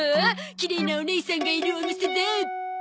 きれいなおねいさんがいるお店で。